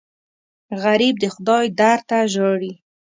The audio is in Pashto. غریب د خدای در ته ژاړي